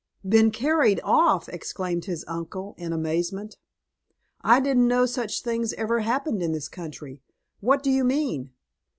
"Been carried off!" exclaimed his uncle, in amazement. "I didn't know such things ever happened in this country. What do you mean?"